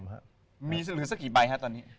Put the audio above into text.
ตอนนี้เหลือสักกี่ใบครับ